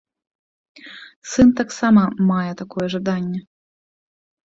Сын таксама мае такое жаданне.